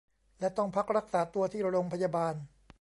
และต้องพักรักษาตัวที่โรงพยาบาล